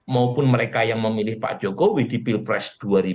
maupun mereka yang memilih pak jokowi di pilpres dua ribu dua puluh